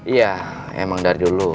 iya emang dari dulu